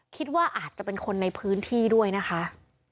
คิดว่าอาจจะเป็นคนในพื้นที่ด้วยนะคะ